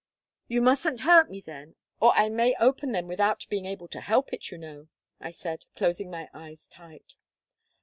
"You mustn't hurt me, then, or I may open them without being able to help it, you know," I said, closing my eyes tight.